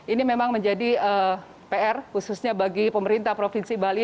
ini memang menjadi pr khususnya bagi pemerintah provinsi bali